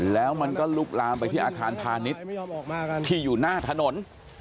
แล้วมันก็ลุกลามไปที่อาคารพาณิชย์ที่อยู่หน้าถนน